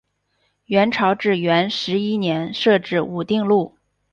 元朝至元十一年设置武定路。